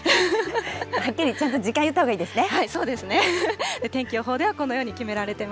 はっきりちゃんと時間言ったほうがいいですね。